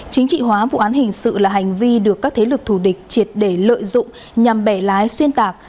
chính trị hóa vụ án hình sự là hành vi được các thế lực thù địch triệt để lợi dụng nhằm bẻ lái xuyên tạc